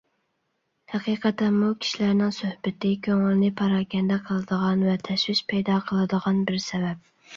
ھەقىقەتەنمۇ كىشىلەرنىڭ سۆھبىتى كۆڭۈلنى پاراكەندە قىلىدىغان ۋە تەشۋىش پەيدا قىلىدىغان بىر سەۋەب.